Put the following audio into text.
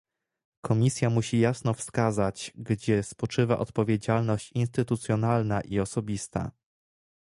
Komisja musi jasno wskazać, gdzie spoczywa odpowiedzialność instytucjonalna i osobista